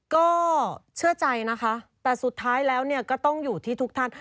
ก็เชื่อใจนะคะแต่สุดท้ายแล้วก็ต้องอยู่ที่ทุกท่าน